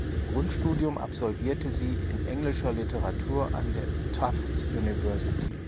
Ihr Grundstudium absolvierte sie in englischer Literatur an der Tufts University.